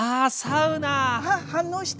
ああ反応した！